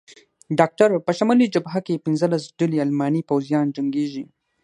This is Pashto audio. ډاکټر: په شمالي جبهه کې پنځلس ډلې الماني پوځیان جنګېږي.